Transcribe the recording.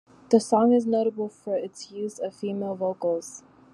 The song is notable for its use of female vocals.